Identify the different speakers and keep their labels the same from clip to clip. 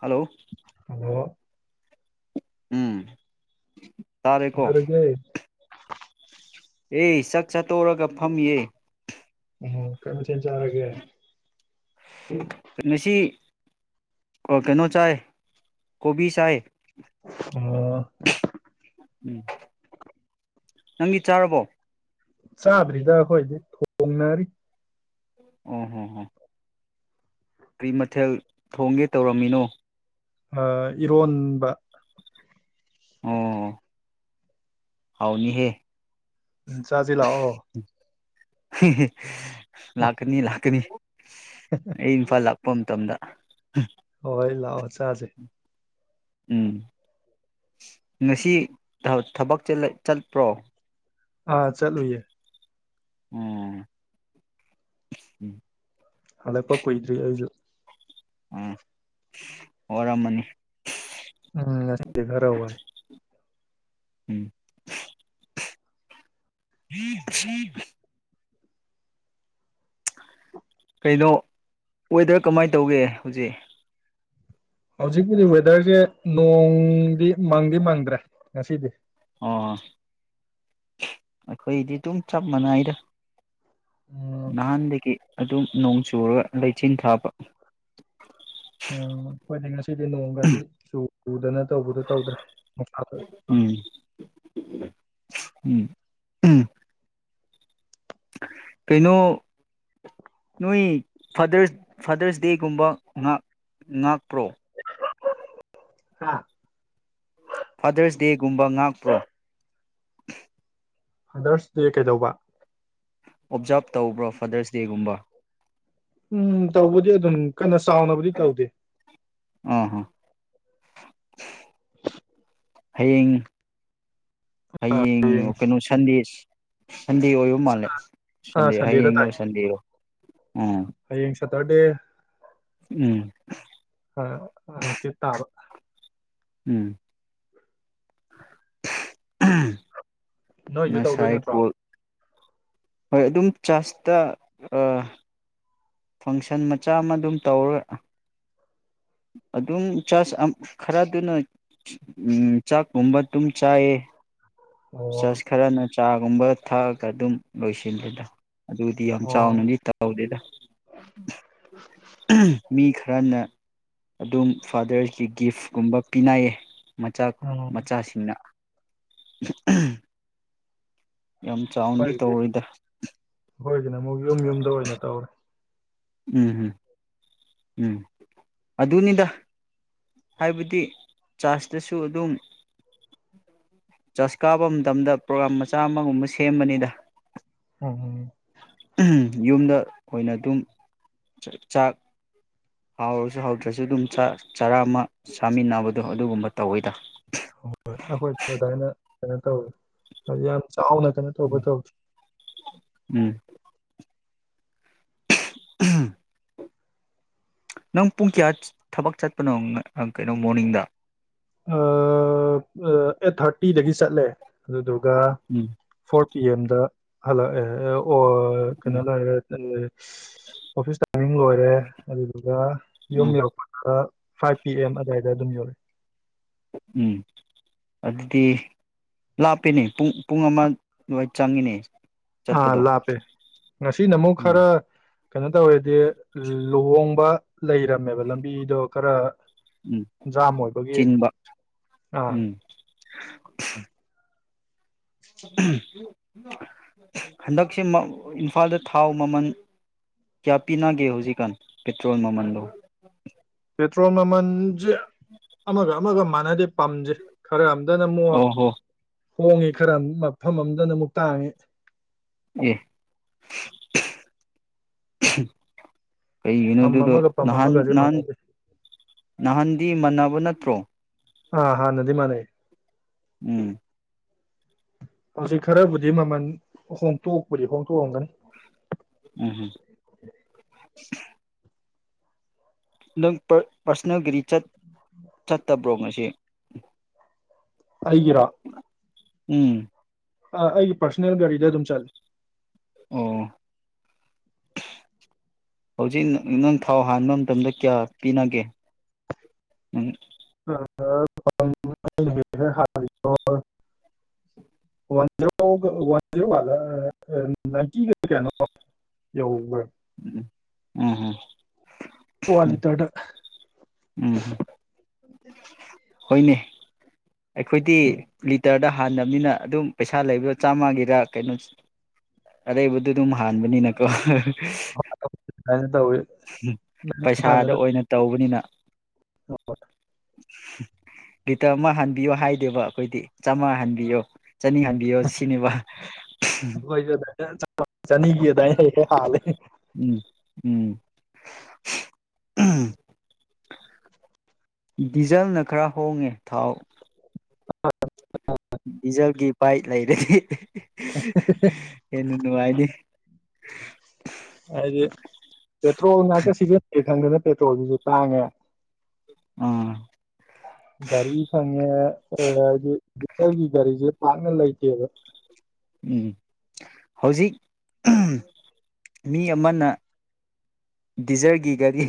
Speaker 1: [inaudible] hello
Speaker 2: ꯑꯗꯣ
Speaker 1: ꯎꯝ ꯇꯥꯔꯦꯀꯣ
Speaker 2: ꯀꯅꯥꯔꯒꯦ [unintelligible]
Speaker 1: ꯑꯦ ꯁꯥꯛ ꯆꯠꯇꯣꯛꯔꯒ ꯐꯝꯑ
Speaker 2: ꯎ ꯀꯩꯅ ꯊ ꯆꯥꯔꯒꯦ
Speaker 1: ꯩꯅꯁꯤ ꯀꯩꯅꯣ ꯆꯥꯏ ꯀꯣꯕꯤ ꯆꯥꯏ
Speaker 2: ꯑꯣ
Speaker 1: ꯎꯝ ꯅꯪꯒꯤ ꯆꯥꯔꯕꯣ
Speaker 2: ꯆꯥꯗ꯭ꯔꯤꯗ ꯑꯩꯈꯣꯏꯗꯤ ꯊꯣꯡꯅꯔꯤ
Speaker 1: ꯎꯝ ꯍꯝꯝ ꯀꯔꯤ ꯃꯊꯦꯜ ꯊꯣꯡꯒꯦ ꯇꯧꯔꯝꯃꯤꯅꯣ
Speaker 2: ꯑ ꯏꯔꯣꯟꯕ
Speaker 1: ꯑꯣ ꯍꯥꯎꯥꯎꯅꯤ ꯍꯦ
Speaker 2: ꯆꯥꯖꯤꯂ ꯑꯣ
Speaker 1: [unintelligible] ꯂꯥꯛꯀꯅꯤ ꯂꯥꯛꯀꯅꯤ ꯑꯩ ꯏꯝꯐꯜ ꯂꯄ ꯃꯇꯝꯗ
Speaker 2: ꯍꯣꯏ ꯂꯥꯎꯑꯣ ꯁꯥꯖꯩ
Speaker 1: ꯎꯝ ꯉꯁꯤ ꯊꯕꯛ ꯆꯠꯄ꯭ꯔꯣ
Speaker 2: ꯑꯥ ꯆꯠꯂꯨꯌꯦ
Speaker 1: ꯎꯝ
Speaker 2: ꯍꯂꯦ ꯄꯛꯀꯣꯏꯗ꯭ꯔꯤ ꯑꯩꯁꯨ
Speaker 1: ꯎꯝ ꯑꯣꯔꯝꯃꯅꯤ
Speaker 2: ꯎꯝ ꯉꯁꯤꯗꯤ ꯈꯔꯥ ꯋꯥꯏ
Speaker 1: ꯎ ꯍ ꯍ [inaudible] ꯀꯩꯅꯣ ꯑꯣꯏꯗꯔ ꯀꯃꯥꯏꯅ ꯇꯧꯒꯦ ꯍꯧꯖꯤꯛ
Speaker 2: ꯍꯧꯖꯤꯛꯀꯤꯗꯤ ꯋꯦꯗꯔꯁꯦ ꯅꯣꯡꯗꯤ ꯃꯪꯗꯤ ꯃꯪꯗ꯭ꯔꯦ ꯉꯁꯤꯗꯤ
Speaker 1: ꯑꯣ ꯑꯩꯈꯣꯏꯗꯤ ꯑꯗꯨꯝ ꯆꯞ ꯃꯥꯟꯅꯩꯗ
Speaker 2: ꯎꯝ ꯎꯝ
Speaker 1: ꯅꯍꯥꯟꯗꯒꯤꯗꯒꯤ ꯑꯗꯨꯝ ꯅꯣꯡ ꯆꯨꯔꯒ ꯂꯩꯆꯤꯟ ꯊꯥꯕ
Speaker 2: ꯎꯝꯣꯏꯅꯤꯡꯉ ꯁꯤꯔꯤ ꯅꯣꯡꯒꯥꯇ ꯆ ꯎꯗꯅ ꯇꯧꯕꯗꯣ ꯇꯧꯗ꯭ꯔꯥ
Speaker 1: ꯎꯝ ꯎꯝ ꯎꯝ ꯀꯩꯅꯣ ꯅꯣꯏ ꯐꯥꯗꯔꯁ ꯐꯥꯗꯔꯁ ꯗꯦꯒꯨꯝꯕ ꯉꯥꯛꯄ꯭ꯔꯣ
Speaker 2: ꯍꯥꯥ
Speaker 1: ꯐꯥꯗꯔꯁ ꯗꯦꯒꯨꯝꯕ ꯉꯥꯛꯄ꯭ꯔꯣ
Speaker 2: ꯐꯥꯗꯔꯁ ꯗꯦ ꯀꯩꯗꯧꯕ
Speaker 1: ꯑꯣꯞꯖꯥꯞ ꯇꯧꯕ꯭ꯔꯣ ꯐꯥꯗꯔꯁ ꯗꯦꯒꯨꯝꯕ
Speaker 2: ꯎꯝ ꯇꯧꯕꯨꯗꯤ ꯑꯗꯨ ꯀꯟꯅ ꯆꯥꯎꯅꯕꯗꯤ ꯇꯧꯗꯦ
Speaker 1: ꯑꯥ ꯑꯥ [inaudible] ꯍꯌꯦꯡ ꯍꯌꯦꯡ ꯀꯩꯅꯣ ꯁꯟꯗꯦꯁ ꯁꯟꯗꯦ ꯑꯣꯏꯕ ꯃꯥꯜꯂꯦ
Speaker 2: ꯑꯥ
Speaker 1: ꯁꯟꯗꯦ
Speaker 2: ꯁꯟꯗꯦꯗ ꯇꯥꯏ
Speaker 1: ꯍꯌꯦꯡꯔꯣ ꯁꯟꯗꯦꯔꯣ ꯎꯝ
Speaker 2: ꯐꯇꯥ ꯗꯦ
Speaker 1: ꯎꯝ
Speaker 2: ꯑ ꯆꯤꯠꯇꯕ
Speaker 1: ꯎꯝ ꯎꯝ
Speaker 2: ꯅꯣꯏꯁꯨ ꯇꯧꯗꯣꯏ ꯅꯠꯇ꯭ꯔꯣ
Speaker 1: ꯍꯣꯏ ꯑꯗꯨꯝ ꯆꯖꯇ ꯐꯪꯁꯟ ꯃꯆꯥ ꯑꯃ ꯑꯗꯨꯝ ꯇꯧꯔ ꯑꯗꯨꯝ ꯆ ꯈꯔꯗꯨꯅ ꯆꯥꯛꯀꯨꯝꯕ ꯑꯗꯨꯝ ꯆꯥꯏꯌꯦ
Speaker 2: ꯑꯣ
Speaker 1: ꯆꯁ ꯈꯔ ꯅ ꯆꯥꯒꯨꯝꯕ ꯊꯛꯑꯒ ꯑꯗꯨꯝ ꯂꯣꯏꯁꯤꯜꯂꯦꯗ ꯑꯗꯨꯗꯤ ꯌꯥꯝ
Speaker 2: ꯑꯣ
Speaker 1: ꯆꯥꯎꯅꯗꯤ ꯇꯧꯗꯦꯗ ꯃꯤ ꯈꯔꯅ ꯑꯗꯨꯝ ꯐꯥꯗꯔꯁꯀꯤ ꯒꯤꯐꯀꯨꯝꯕ ꯄꯤꯅꯌꯦ ꯃꯆꯥ
Speaker 2: ꯎꯝ
Speaker 1: ꯃꯆꯥꯁꯤꯡꯅ [inaudible] ꯌꯥꯝ ꯆꯥꯎꯅꯗꯤ ꯇꯧꯔꯣꯏꯗ
Speaker 2: ꯍꯣꯏꯗꯅ ꯑꯃꯨꯛ ꯌꯨꯝ ꯌꯨꯝꯗ ꯑꯣꯏꯅ ꯇꯧꯔꯦ
Speaker 1: ꯎꯝ ꯎꯝ ꯎꯝ ꯑꯗꯨꯅꯤꯗ ꯍꯥꯏꯕꯗꯤ ꯆꯥꯔꯖꯇꯁꯨ ꯑꯗꯨꯝ ꯆꯥꯔꯖ ꯀꯥꯕ ꯃꯇꯝꯗ ꯄ꯭ꯔꯣꯒ꯭ꯔꯥꯝ ꯃꯆꯥ ꯑꯃꯒꯨꯝꯕ ꯁꯦꯝꯕꯅꯤꯗ
Speaker 2: ꯎꯝ
Speaker 1: ꯌꯨꯝꯗ ꯑꯣꯏꯅ ꯑꯗꯨꯝ ꯆꯥꯛ ꯍꯥꯎꯔꯁꯨ ꯍꯥꯎꯗ꯭ꯔꯁꯨ ꯑꯗꯨꯝ ꯆꯥꯛ ꯆꯔꯥꯃ ꯆꯥꯃꯤꯟꯅꯕꯗꯣ ꯑꯗꯨꯒꯨꯝꯕ ꯇꯧꯋꯤꯗ
Speaker 2: ꯍ ꯍꯣꯏ ꯑꯩꯈꯣꯏ ꯑꯗꯨꯅ ꯩꯅ ꯇꯧ ꯍꯧ ꯊꯥꯎ ꯅ ꯇꯩꯅ ꯊꯧꯕꯊꯥꯎ
Speaker 1: ꯎꯝ ꯅꯪ ꯄꯨꯡ ꯀꯌꯥ ꯊꯕꯛ ꯆꯠꯄꯅꯣ ꯀꯩꯅꯣ ꯃꯣꯔꯅꯤꯡꯗ
Speaker 2: ꯑꯩꯠ ꯊꯥꯔꯇꯤꯗꯒꯤ ꯆꯠꯂꯦ ꯑꯗꯨꯗꯨ ꯑꯗꯨꯒ
Speaker 1: ꯎꯝ
Speaker 2: ꯐꯣꯔ ꯄꯤ ꯑꯦꯝꯗ ꯍꯜꯂꯣ ꯑꯣ ꯀꯩꯅꯣ
Speaker 1: ꯎꯝ
Speaker 2: ꯑꯣꯐꯤꯁ ꯃꯤ ꯂꯣꯏꯔꯦ ꯑꯗꯨꯗ ꯌꯣꯨꯝ
Speaker 1: ꯎꯝ
Speaker 2: ꯌꯥꯎ ꯐꯥꯏꯚ ꯄꯤ ꯑꯦꯝ ꯑꯗꯨꯋꯥꯏꯗ ꯑꯗꯨꯝ ꯌꯧꯔꯦ
Speaker 1: ꯎꯝ ꯑꯗꯨꯗꯤ ꯂꯥꯞꯄꯤꯦꯅꯦ ꯄꯨꯡ ꯄꯨꯡ ꯑꯃ ꯑꯗꯨꯋꯥꯏ ꯆꯪꯉꯤꯅꯦ
Speaker 2: ꯑꯥ
Speaker 1: ꯆꯠꯄꯗꯣ
Speaker 2: ꯂꯥꯄꯦ ꯉꯁꯤ ꯅ ꯑꯃꯨꯛ
Speaker 1: ꯎꯝ
Speaker 2: ꯈꯔ ꯀꯩꯅꯣ ꯇ ꯑꯣꯏꯌꯦ ꯑꯗꯤ ꯂꯨꯍꯣꯡꯕ ꯂꯩꯔꯝꯃꯦꯕ ꯂꯝꯕꯤꯗꯣ ꯈꯔ
Speaker 1: ꯎꯝ
Speaker 2: ꯖꯥꯝ ꯑꯣꯏꯕꯒꯤ
Speaker 1: ꯆꯤꯟꯕ
Speaker 2: ꯑꯥ
Speaker 1: ꯎꯝ [inaudible] ꯎꯝ ꯍꯟꯗꯛꯁꯦ ꯏꯝꯐꯥꯜꯗ ꯊꯥꯎ ꯃꯃꯜ ꯀꯌꯥ ꯄꯤꯅꯒꯦ ꯍꯧꯖꯤꯛꯀꯥꯟ ꯄꯦꯇ꯭ꯔꯣꯜ ꯃꯃꯜꯗꯣ
Speaker 2: ꯄꯦꯇ꯭ꯔꯣꯜ ꯃꯃꯟ ꯁꯤ ꯑꯃꯒ ꯑꯃꯒ ꯃꯥꯟꯅꯗꯦ ꯄꯥꯝꯖꯦ ꯈꯔ ꯑꯝꯇꯅ ꯑꯃꯨꯛ
Speaker 1: ꯑꯣ ꯍꯣ
Speaker 2: ꯍꯣꯡꯉꯦ ꯈꯔ ꯃꯐꯝ ꯑꯃꯗꯅ ꯑꯃꯨꯛ ꯇꯥꯡꯉꯦ
Speaker 1: ꯑꯦ [inaudible] ꯀꯩꯒꯤꯅꯣ
Speaker 2: ꯄꯝ
Speaker 1: ꯑꯗꯨꯗꯣ
Speaker 2: ꯑꯃꯒ ꯄꯝ
Speaker 1: ꯅꯍꯥꯟ
Speaker 2: ꯑꯃꯒꯁꯦ
Speaker 1: ꯅꯍꯥꯟ
Speaker 2: ꯃꯥꯟꯅꯗꯦ
Speaker 1: ꯅꯍꯥꯟꯗꯤ ꯃꯅꯕ ꯅꯠꯇ꯭ꯔꯣ
Speaker 2: ꯑꯥ ꯍꯥꯥ ꯅꯗꯤ ꯃꯥ ꯂꯩ
Speaker 1: ꯎꯝ
Speaker 2: ꯍꯧꯖꯤꯛ ꯈꯔꯕꯨꯗꯤ ꯃꯃꯜ ꯍꯣꯡꯗꯣꯛꯄꯗꯤ ꯍꯣꯡꯗꯣꯛꯑꯝꯒꯅꯤ
Speaker 1: ꯎꯝꯍꯝ ꯅꯪ ꯄꯥꯔꯁꯣꯅꯦꯜ ꯒꯥꯔꯤ ꯆꯠꯇꯕ꯭ꯔꯣ ꯉꯁꯤ
Speaker 2: ꯑꯒꯔꯣ
Speaker 1: ꯎꯝ
Speaker 2: ꯑ ꯑꯩꯒꯤ ꯄꯥꯔꯁꯣꯅꯦꯜ ꯒꯥꯔꯤꯗ ꯑꯗꯨꯝ ꯆꯠꯂ
Speaker 1: ꯑꯣ ꯍꯧꯖꯤꯛ ꯅꯪ ꯊꯥꯎ ꯍꯥꯟꯕ ꯃꯇꯝꯗ ꯀꯌꯥ ꯄꯤꯅꯒꯦ ꯅꯪ
Speaker 2: ꯋꯥꯟꯔꯣ ꯋꯥꯟꯔꯣꯂ ꯅꯥꯏꯟꯇꯤꯒ ꯀꯩꯅꯣ ꯌ꯭ꯔ
Speaker 1: ꯎꯝ ꯎꯝ
Speaker 2: ꯍꯂꯤ ꯇꯠ
Speaker 1: ꯎꯝꯝ
Speaker 2: ꯎ
Speaker 1: ꯍꯣꯏꯅꯦ ꯑꯩꯈꯣꯏꯗꯤ ꯂꯤꯇꯔꯗ ꯍꯥꯟꯕꯅꯤꯅ ꯑꯗꯨꯝ ꯄꯩꯁꯥ ꯂꯩꯕꯗꯣ ꯆꯥꯝꯃꯒꯤꯔ ꯀꯩꯅꯣ ꯑꯔꯩꯕꯗ ꯑꯗꯨꯝ ꯍꯥꯟꯕꯅꯤꯅꯀꯣ
Speaker 2: [inaudible]
Speaker 1: ꯄꯩꯁꯥꯗ
Speaker 2: ꯍꯥꯟꯅꯅ
Speaker 1: ꯑꯣꯏꯅ ꯇꯧꯕꯅꯤꯅ ꯂꯤꯇꯔ ꯑꯃ ꯍꯟꯕꯤꯌꯣ ꯍꯥꯏꯗꯦꯕ ꯑꯩꯈꯣꯏꯗꯤ ꯆꯥꯝꯃꯉꯥ ꯍꯟꯕꯤꯌꯣ ꯆꯠꯅꯤꯡꯍꯟꯕꯤꯌꯣ ꯁꯤꯅꯦꯕ
Speaker 2: ꯆꯅꯤ ꯀ ꯇꯥꯏ ꯍ
Speaker 1: ꯎꯝ ꯎꯝ ꯗꯤꯖꯜꯅ ꯈꯔ ꯍꯣꯡꯉꯦ ꯊꯥꯎ ꯗꯤꯖꯦꯜꯒꯤ ꯄꯚꯥꯏ ꯂꯩꯔꯦ ꯍꯦꯟꯅ ꯅꯨꯡꯉꯥꯏꯅꯤꯦ
Speaker 2: ꯦ ꯄꯦꯇ꯭ꯔꯣꯜ ꯅꯥꯀꯦꯁꯤꯒ ꯈꯪꯗꯅ ꯄꯦꯇ꯭ꯔꯣꯜꯗꯨꯁꯨ ꯇꯥꯡꯉꯦ
Speaker 1: ꯑꯥ
Speaker 2: ꯒꯥꯔꯤ ꯐꯪꯉꯦ ꯒꯥꯔꯤ ꯆꯦ ꯃꯥꯥꯡꯂ ꯑꯥꯏꯇ ꯑꯗ
Speaker 1: ꯎꯝ ꯍꯧꯖꯤꯛ ꯃꯤ ꯑꯃꯅ ꯗꯤꯖꯔꯒꯤ ꯒꯥꯔꯤ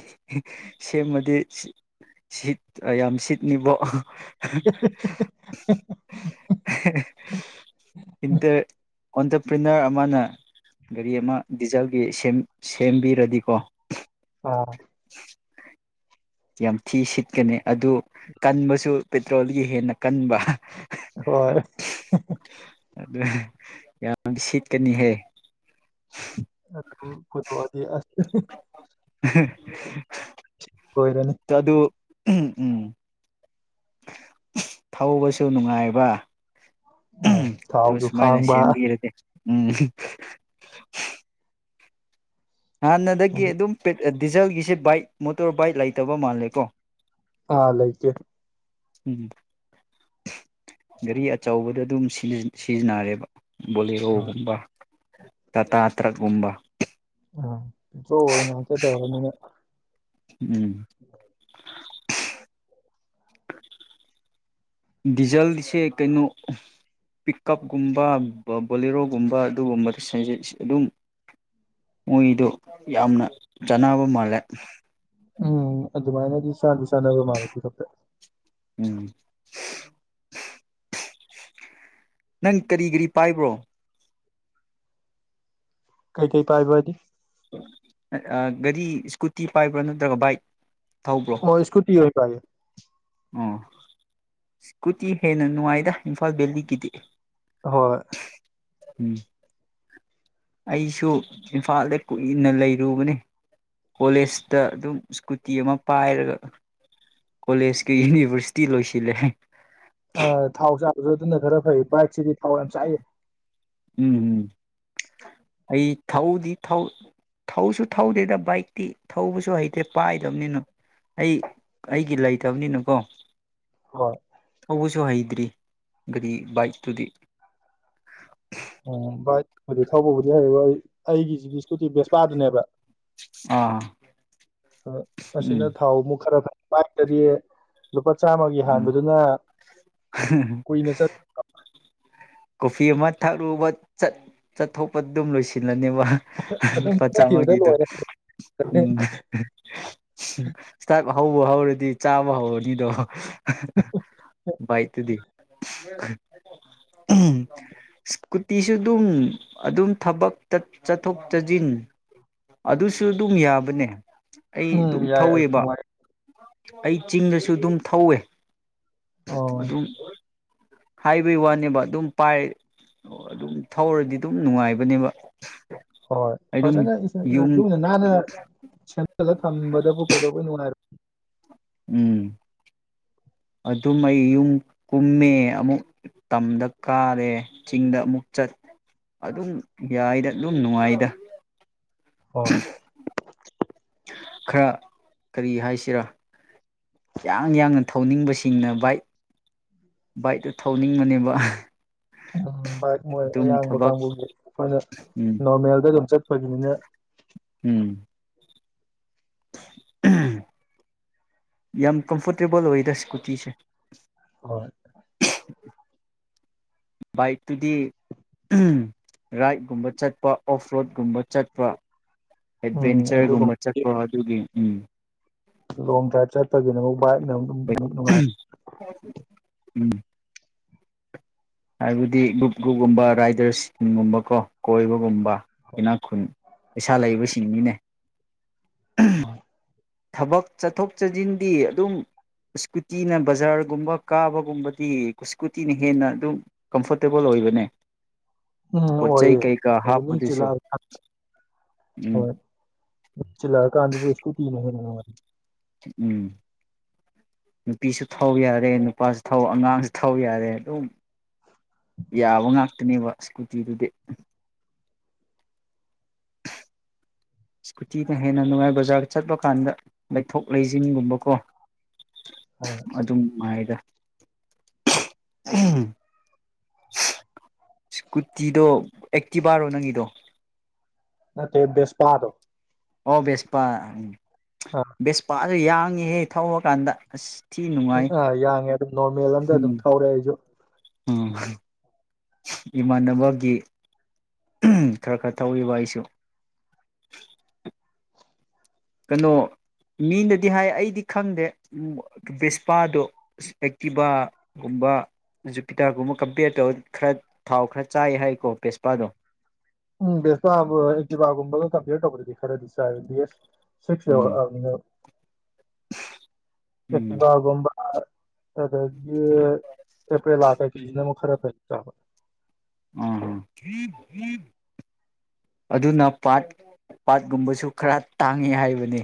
Speaker 1: ꯁꯦꯝꯃꯗꯤ ꯁꯤꯠ ꯌꯥꯝ ꯁꯤꯠꯅꯤꯕꯣ ꯏꯟꯇ ꯑꯣꯟꯇꯔꯄ꯭ꯔꯤꯅꯔ ꯑꯃꯅ ꯒꯥꯔꯤ ꯑꯃ ꯗꯤꯖꯜꯒꯤ ꯁꯦꯝꯕꯤꯔꯗꯤꯀꯣ
Speaker 2: ꯑꯥ
Speaker 1: ꯌꯥꯝ ꯊꯤ ꯁꯤꯠꯀꯅꯤ ꯑꯗꯨ ꯀꯟꯕꯁꯨ ꯄꯦꯇ꯭ꯔꯣꯜꯒꯤ ꯍꯦꯟꯅ ꯀꯟꯕ
Speaker 2: ꯍꯣꯏ
Speaker 1: ꯑꯗꯨ ꯌꯥꯝ ꯁꯤꯠꯀꯅꯤꯍꯦ
Speaker 2: ꯑꯗꯨ ꯀꯊꯗꯤ ꯑ [inaudible]
Speaker 1: [unintelligible]
Speaker 2: ꯂꯣꯏꯔꯅꯤ
Speaker 1: ꯆꯗꯨ ꯎꯝ ꯎꯝ ꯊꯧꯕꯁꯨ ꯅꯨꯡꯉꯥꯏꯕ
Speaker 2: ꯑ
Speaker 1: ꯑꯗꯨ
Speaker 2: ꯊꯥꯎꯁꯨ
Speaker 1: ꯁꯨꯃꯥꯏꯅ
Speaker 2: ꯈꯥꯡꯕ
Speaker 1: ꯁꯦꯝꯕꯤꯔꯗꯤ ꯎꯝ ꯍꯥꯟꯅꯗꯒꯤ ꯑꯗꯨꯝ ꯗꯤꯖꯜꯒꯤꯁꯤꯠ ꯕꯥꯏꯛ ꯃꯣꯇꯣꯔ ꯕꯥꯏꯛ ꯂꯩꯇꯕ ꯃꯥꯜꯂꯦ ꯀꯣ
Speaker 2: ꯑꯥ ꯂꯩ ꯂꯩꯀꯦ
Speaker 1: ꯎꯝ ꯒꯥꯔꯤ ꯑꯆꯧꯕꯗ ꯑꯗꯨꯝ ꯁꯤꯖꯤꯟꯅꯔꯦꯕ ꯕꯣꯂꯤꯔꯣ
Speaker 2: ꯍꯣꯏ
Speaker 1: ꯒꯨꯝꯕ ꯇꯇꯥ ꯇ꯭ꯔꯛ ꯒꯨꯝꯕ
Speaker 2: ꯑ [unintelligible] ꯑꯣꯏꯅ ꯍꯦꯛꯇ ꯇꯧꯔꯅꯤꯅ
Speaker 1: ꯎꯝ
Speaker 2: [unintelligible]
Speaker 1: ꯗꯤꯖꯜꯁꯦ ꯀꯩꯅꯣ ꯄꯤꯛꯀꯞꯀꯨꯝꯕ ꯕꯣꯂꯦꯔꯣꯒꯨꯝꯕ ꯑꯗꯨꯒꯨꯝꯕꯗ ꯑꯗꯨꯝ ꯃꯣꯏꯗꯣ ꯌꯥꯝꯅ ꯆꯥꯅꯕ ꯃꯥꯜꯂꯦ
Speaker 2: ꯎꯝ ꯑꯗꯨꯃꯥꯏꯅꯗꯤ ꯆꯥꯟꯗꯤ ꯆꯥꯅꯕ ꯃꯥꯜꯂꯦ [unintelligible]
Speaker 1: ꯎꯝ ꯅꯪ ꯀꯔꯤ ꯀꯔꯤ ꯄꯥꯏꯕ꯭ꯔꯣ
Speaker 2: ꯀꯩ ꯀꯩ ꯄꯥꯏꯕꯗꯤ
Speaker 1: ꯑ ꯒꯥꯔꯤ ꯏꯁ꯭ꯀꯨꯇꯤ ꯄꯥꯏꯕ꯭ꯔꯣ ꯅꯠꯇ꯭ꯔꯒ ꯕꯥꯏꯛ ꯊꯧꯕ꯭ꯔꯣ
Speaker 2: ꯑꯣ ꯏꯁꯀꯨꯇꯤ ꯑꯣꯏ ꯄꯥꯏ [unintelligible]
Speaker 1: ꯑꯣ ꯁ꯭ꯀꯨꯇꯤ ꯍꯦꯟꯅ ꯅꯨꯡꯉꯥꯏꯗ ꯏꯝꯐꯥꯜ ꯕꯦꯂꯤꯒꯤꯗꯤ
Speaker 2: ꯍꯣꯏ
Speaker 1: ꯎꯝ ꯑꯩꯁꯨ ꯏꯝꯐꯥꯜꯗ ꯀꯨꯏꯅ ꯂꯩꯔꯨꯕꯅꯤ ꯀꯣꯂꯦꯖꯇ ꯑꯗꯨꯝ ꯏꯁꯀꯨꯇꯤ ꯑꯃ ꯄꯥꯏꯔꯒ ꯀꯣꯂꯦꯖꯀꯤ ꯌꯨꯅꯤꯚꯔꯁꯤꯇꯤ ꯂꯣꯏꯁꯤꯜꯂꯦ
Speaker 2: ꯑ ꯊꯥꯎ ꯆꯥꯕꯁꯨ ꯑꯗꯨꯅ ꯈꯔ ꯐꯩ ꯕꯥꯏꯛꯁꯤꯗꯤ ꯊꯥꯎ ꯌꯥꯝ ꯆꯥꯛꯏ
Speaker 1: ꯎꯝ ꯎꯝ ꯑꯩ ꯊꯧꯗꯤ ꯊꯧꯁꯨ ꯊꯧꯗꯦꯗ ꯕꯥꯏꯛꯇꯤ ꯊꯧꯕꯁꯨ ꯍꯩꯇꯦ ꯄꯥꯏꯗꯕꯅꯤꯅ ꯑꯩ ꯑꯩꯒꯤ ꯂꯩꯇꯕꯅꯤꯅꯀꯣ
Speaker 2: ꯍꯣꯏ
Speaker 1: ꯊꯧꯕꯁꯩ ꯍꯩꯗ꯭ꯔꯤ ꯒꯥꯔꯤ ꯕꯥꯏꯛꯇꯨꯗꯤ
Speaker 2: ꯑꯗꯤ ꯊꯧꯕꯕꯨꯗꯤ ꯍꯩꯕ ꯑꯩ ꯑꯩꯒꯤꯁꯤꯒꯤ ꯏꯁꯀꯨꯇꯤ ꯕꯦꯁꯄꯥꯗꯨꯅꯦꯕ
Speaker 1: ꯑꯥ
Speaker 2: ꯑꯁꯤꯅ
Speaker 1: ꯎꯝ
Speaker 2: ꯊꯥꯎ ꯑꯃꯨꯛ ꯈꯔ ꯕꯥꯏꯛ ꯇꯗꯤ ꯂꯨꯄꯥ ꯆꯥꯝꯃꯒꯤ
Speaker 1: ꯎꯝ
Speaker 2: ꯍꯥꯟꯕꯗꯨꯅ ꯀꯨꯏꯅ ꯆꯠ
Speaker 1: ꯀꯣꯐꯤ ꯑꯃ ꯊꯥꯔꯨꯕꯠ ꯆꯠ ꯆꯠꯊꯣꯛꯄ ꯑꯗꯨꯝ ꯂꯣꯏꯁꯤꯜ ꯅꯦꯕ
Speaker 2: ꯑꯗꯨꯝ
Speaker 1: ꯂꯨꯄꯥ
Speaker 2: ꯆꯠꯈꯤꯕꯗ
Speaker 1: ꯆꯥꯝꯃꯒꯤꯗꯨ
Speaker 2: ꯂꯣꯏꯔꯦ
Speaker 1: ꯎꯝ ꯍꯧꯕ ꯍꯧꯔꯗꯤ ꯆꯥꯕ ꯍꯧꯔꯅꯤꯗꯣ ꯕꯥꯏꯛ ꯇꯗꯤ [unintelligible] ꯁꯀꯨꯇꯤꯁꯨ ꯑꯗꯨꯝ ꯑꯗꯨꯝ ꯊꯕꯛ ꯆꯠꯊꯣꯛ ꯆꯠꯁꯤꯟ ꯑꯗꯨꯁꯨ ꯑꯗꯨꯝ ꯌꯥꯕꯅꯦ ꯑꯩ
Speaker 2: ꯎꯝ
Speaker 1: ꯑꯗꯨꯝ
Speaker 2: ꯌꯥꯏ ꯑꯁ
Speaker 1: ꯊꯧꯋꯦꯕ
Speaker 2: ꯅꯨꯡꯉꯥꯏ
Speaker 1: ꯑꯩ ꯆꯤꯡꯗꯁꯨ ꯑꯗꯨꯝ ꯊꯧꯋꯦ
Speaker 2: ꯑꯣ
Speaker 1: ꯑꯗꯨꯝ ꯍꯥꯏꯕꯩ ꯋꯥꯅꯦꯕ ꯑꯗꯨꯝ ꯄꯥꯏ ꯑꯗꯨꯝ ꯊꯧꯔꯗꯤ ꯑꯗꯨꯝ ꯅꯨꯡꯉꯥꯏꯕꯅꯦꯕ
Speaker 2: ꯍꯣꯏ
Speaker 1: ꯑꯗꯨꯝ
Speaker 2: ꯐꯖꯅ
Speaker 1: ꯌꯨꯝ
Speaker 2: ꯂꯨꯅ ꯅꯥꯟꯅ ꯁꯦꯝꯖꯤꯜꯂꯒ ꯊꯝꯕꯗꯕꯨ ꯀꯩꯗꯧꯕꯩ ꯅꯨꯡꯉꯥꯏꯔ
Speaker 1: ꯎꯝ ꯑꯗꯨꯝ ꯑꯩ ꯌꯨꯝ ꯀꯨꯝꯃꯦ ꯑꯃꯨꯛ ꯇꯝꯗ ꯀꯥꯔꯦ ꯆꯤꯡꯗ ꯑꯃꯨꯛ ꯆꯠ ꯑꯗꯨꯝ ꯌꯥꯏꯗ ꯑꯗꯨꯝ ꯅꯨꯡꯉꯥꯏꯗ
Speaker 2: ꯍꯣꯏ
Speaker 1: ꯈꯔ ꯀꯔꯤ ꯍꯥꯏꯁꯤꯔꯥ ꯌꯥꯡ ꯌꯥꯡꯅ ꯊꯧꯅꯤꯡꯕꯁꯤꯡꯅ ꯕꯥꯏꯛ ꯕꯥꯏꯛꯇꯨ ꯊꯧꯅꯤꯡꯕꯅꯦꯕ
Speaker 2: ꯎꯝ ꯚꯥꯏꯛ ꯃꯣꯏ
Speaker 1: ꯑꯗꯨꯝ
Speaker 2: ꯑꯌꯥꯡꯕ
Speaker 1: ꯊꯕꯛ
Speaker 2: ꯀꯥꯡꯕꯨꯒꯤ ꯑꯩꯈꯣꯏꯅ
Speaker 1: ꯎꯝ
Speaker 2: ꯅꯣꯔꯃꯦꯜꯗ ꯑꯗꯨꯝ ꯆꯠ ꯑꯩꯈꯣꯏꯒꯤꯅꯤꯅ
Speaker 1: ꯎꯝ ꯌꯥꯝ ꯀꯝꯐꯣꯔꯇꯦꯕꯜ ꯑꯣꯏꯔ ꯁ꯭ꯀꯨꯇꯤꯁꯦ
Speaker 2: ꯍꯣꯏ
Speaker 1: ꯕꯥꯏꯛꯇꯨꯗꯤ ꯔꯥꯏꯠꯀꯨꯝꯕ ꯆꯠꯄ ꯑꯣꯐ ꯔꯣꯠꯀꯨꯝꯕ ꯆꯠꯄ
Speaker 2: ꯎꯝ
Speaker 1: ꯑꯦꯠꯚꯦꯟꯆꯔꯒꯨꯝꯕ
Speaker 2: ꯑꯗꯨꯒꯨꯝꯕꯒꯤ
Speaker 1: ꯆꯠꯄꯣ ꯑꯗꯨꯒꯤ ꯎꯝ
Speaker 2: ꯂꯣꯡ ꯗ꯭ꯔꯥꯏꯚ ꯆꯠꯄꯒꯤꯅꯦ ꯑꯃꯨꯛ ꯕꯥꯏ ꯏꯅꯨꯡꯉ
Speaker 1: ꯎꯝ ꯍꯥꯏꯕꯗꯤ ꯒ꯭ꯔꯨꯞ ꯒ꯭ꯔꯨꯞꯀꯨꯝꯕ ꯔꯥꯏꯗꯔꯁ ꯒꯨꯝꯕꯀꯣ ꯀꯣꯏꯕꯒꯨꯝꯕ ꯄ
Speaker 2: ꯅꯨꯡꯉꯥꯏꯕ
Speaker 1: ꯈ ꯄꯩꯁꯥ ꯂꯩꯕꯁꯤꯡꯅꯤꯅꯦ
Speaker 2: ꯎꯝ
Speaker 1: ꯊꯕꯛ ꯆꯠꯊꯣꯛ ꯆꯠꯁꯤꯟꯗꯤ ꯑꯗꯨꯝ ꯁꯀꯨꯇꯤꯅ ꯕꯖꯥꯔꯒꯨꯝꯕ ꯀꯥꯕꯒꯨꯝꯕꯗꯤ ꯁꯀꯨꯇꯤꯅ ꯍꯦꯟꯅ ꯑꯗꯨꯝ ꯀꯝꯐꯣꯔꯇꯦꯕꯜ ꯑꯣꯏꯕꯅꯦ
Speaker 2: ꯎꯝ
Speaker 1: ꯄꯣꯠ ꯆꯩ
Speaker 2: ꯑꯣꯏꯑꯦ
Speaker 1: ꯀꯩꯀꯥ
Speaker 2: ꯑꯗꯨ ꯃꯤ
Speaker 1: ꯍꯥꯞꯄꯗꯨꯁꯨ
Speaker 2: ꯆꯤꯜꯂꯛꯑꯀꯥꯟ
Speaker 1: ꯎꯝ
Speaker 2: ꯍꯣꯏ ꯃꯤ ꯆꯤꯜꯂꯛꯑꯀꯥꯟꯗꯁꯨ ꯁꯀꯨꯇꯤꯅ ꯍꯦꯟꯅ ꯅꯨꯡꯉꯥꯏ
Speaker 1: ꯎꯝ ꯅꯨꯄꯤꯁꯨ ꯊꯧ ꯌꯥꯔꯦ ꯅꯨꯄꯥꯁꯨꯧ ꯑꯉꯥꯡꯁꯨ ꯊꯧ ꯌꯥꯔꯦ ꯑꯗꯨꯝ ꯌꯥꯕ ꯉꯥꯛꯇꯅꯤꯕ ꯁ꯭ꯀꯨꯇꯤꯗꯨꯗꯤ ꯏꯁꯀꯨꯇꯤꯅ ꯍꯦꯟꯅ ꯅꯨꯡꯉꯥꯏ ꯕꯖꯥꯔ ꯆꯠꯄ ꯀꯥꯟꯗ ꯂꯩꯊꯣꯛ ꯂꯩꯁꯤꯟꯒꯨꯝꯕꯀꯣ ꯑꯗꯨ ꯑꯗꯨꯝ ꯁꯀꯨꯇꯤꯗꯣ ꯑꯦꯛꯇꯤꯚꯔꯣ ꯅꯪꯒꯤꯗꯣ
Speaker 2: ꯅꯠꯇ ꯦꯁ ꯄꯥꯗꯣ
Speaker 1: ꯑꯣ ꯦꯁꯄꯥ
Speaker 2: ꯑꯥ
Speaker 1: ꯎ ꯁ ꯄꯥꯁ ꯑ ꯌꯥꯡꯉꯤꯍꯦ ꯊꯔꯀꯥꯟꯗ ꯑꯁ ꯊꯤ ꯅꯨꯡꯉꯥꯏ
Speaker 2: ꯑ ꯌꯥꯉꯦ ꯑꯗꯨꯝ ꯅꯣꯔꯃꯦꯜ ꯑꯝꯇ ꯑꯗꯨꯝ
Speaker 1: ꯎꯝ
Speaker 2: ꯊꯧꯔꯦ ꯑꯩꯁꯨ
Speaker 1: ꯎꯝ ꯏꯃꯥꯟꯅꯕꯒꯤ ꯈꯔ ꯈꯔ ꯊꯧꯏꯕ ꯑꯩꯁꯨ ꯀꯩꯅꯣ ꯃꯤꯅꯗꯤ ꯍꯥꯏ ꯑꯩꯗꯤ ꯈꯪꯗꯦ ꯕꯦꯁꯄꯥꯗꯣ ꯑꯦꯛꯇꯤꯚꯥꯒꯨꯝꯕ ꯖꯨꯄꯤꯇꯥꯔꯒꯨꯝꯕ ꯀꯝꯄꯤꯌꯔ ꯇꯧꯔ ꯈꯔ ꯊꯥꯎ ꯈꯔ ꯆꯥꯏ ꯍꯥꯏꯀꯣ ꯕꯦꯁꯄꯥꯗꯣ
Speaker 2: ꯎꯝ ꯦꯁꯇꯕꯥꯒꯨꯝꯕꯣ ꯀꯝꯄꯦꯌꯔ ꯇꯧꯕꯔꯗꯤꯦꯔꯦ ꯑꯗꯨ ꯗꯤ
Speaker 1: ꯎꯝ
Speaker 2: ꯁꯤꯁꯔ ꯑꯦꯀꯤ
Speaker 1: ꯎꯝ
Speaker 2: ꯕꯒꯨꯝꯝꯕ ꯑ ꯑꯦ ꯂꯥꯛꯀ ꯀ ꯈꯔ ꯐꯠꯇ
Speaker 1: ꯑ ꯑꯗꯨꯅ ꯄꯥꯠ ꯄꯥꯠꯀꯨꯝꯕꯁꯨ ꯈꯔ ꯇꯥꯡꯉꯤ ꯍꯥꯏꯕꯅꯤ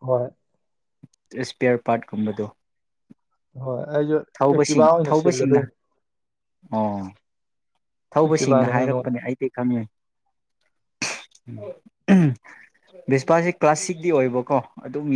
Speaker 2: ꯍꯣꯏ
Speaker 1: ꯏꯁꯄꯤꯌꯔ ꯄꯥꯔꯠꯀꯨꯝꯕꯗꯣ
Speaker 2: ꯍꯣꯏ ꯑꯩꯁꯨ ꯑꯦꯛꯇꯤꯚꯥ
Speaker 1: ꯊꯧꯕꯁꯤꯡ
Speaker 2: ꯑꯣꯏꯅ
Speaker 1: ꯊꯧꯕꯁꯤꯡꯅ
Speaker 2: ꯁꯤꯜꯂꯗꯣꯏꯅꯤ
Speaker 1: ꯑꯣ ꯊꯧꯕꯁꯤꯡꯅ
Speaker 2: ꯑꯦꯛꯇꯤꯚꯥꯅ ꯍꯦꯟꯅ ꯅꯨꯡꯉꯥꯏ
Speaker 1: ꯍꯥꯏꯔꯛꯄꯅꯦ ꯑꯩꯗꯤ ꯈꯪꯉꯦ ꯕꯤꯁꯄꯥꯁꯤ ꯀ꯭ꯂꯥꯁꯤꯛꯤ ꯑꯣꯏꯕꯀꯣ ꯑꯗꯨꯝ